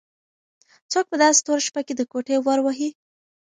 څوک په داسې توره شپه کې د کوټې ور وهي؟